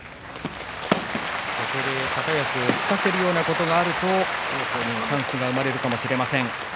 高安を浮かせるようなことがあればチャンスが生まれるかもしれません。